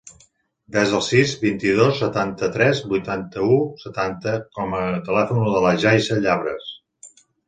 Desa el sis, vint-i-dos, setanta-tres, vuitanta-u, setanta com a telèfon de la Yaiza Llabres.